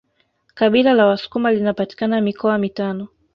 Kabila la wasukuma linapatikana mikoa mitano